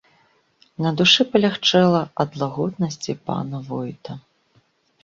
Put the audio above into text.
На душы палягчэла ад лагоднасці пана войта.